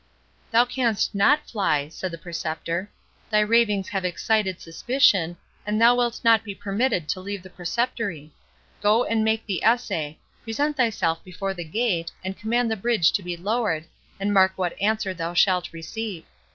"Thou canst not fly," said the Preceptor; "thy ravings have excited suspicion, and thou wilt not be permitted to leave the Preceptory. Go and make the essay—present thyself before the gate, and command the bridge to be lowered, and mark what answer thou shalt receive.